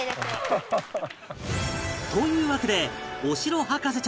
というわけでお城博士